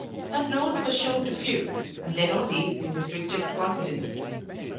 That note was shown to few, and then only in the strictest confidence.